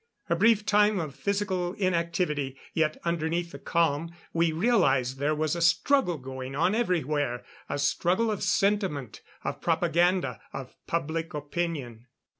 A brief time of physical inactivity. Yet underneath the calm, we realized there was a struggle going on everywhere; a struggle of sentiment, of propaganda, of public opinion.